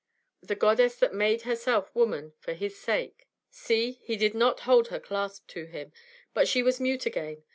The goddess that made herself woman for his sake see, did he not hold her clasped to him! But she was mute again.